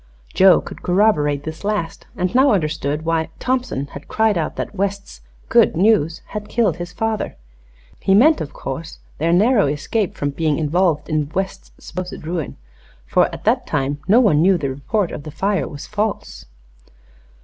Joe could corroborate this last, and now understood why Thompson had cried out that West's "good news" had killed his father. He meant, of course, their narrow escape from being involved in West's supposed ruin, for at that time no one knew the report of the fire was false.